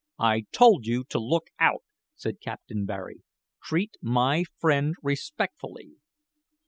"I told you to look out," said Captain Barry. "Treat my friend respectfully."